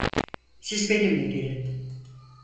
Siz benimle gelin.